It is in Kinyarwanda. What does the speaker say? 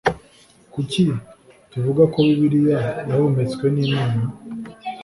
kuki tuvuga ko bibiliya yahumetswe n imana